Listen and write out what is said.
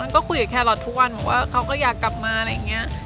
ก็คุยกับแครอททุกวันบอกว่าเขาก็อยากกลับมาอะไรอย่างนี้